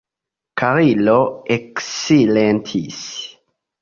Karlo eksilentis.